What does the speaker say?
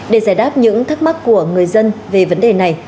để giải đáp những thắc mắc của người dân về vấn đề này